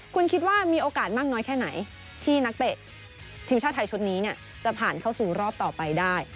คุณคิดว่ามีโอกาสมากน้อยแค่ไหนที่นักเตะทีมชาติไทยชุดนี้จะผ่านเข้าสู่รอบต่อไปได้